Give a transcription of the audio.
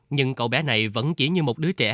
nhưng cậu bé này vẫn chỉ như một đứa trẻ